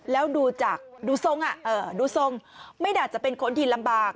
แล้วดูจากดูทรงดูทรงไม่น่าจะเป็นคนที่ลำบาก